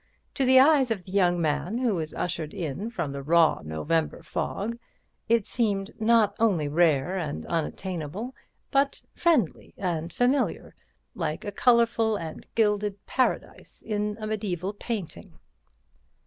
To the eyes of the young man who was ushered in from the raw November fog it seemed not only rare and unattainable, but friendly and familiar, like a colourful and gilded paradise in a mediæval painting.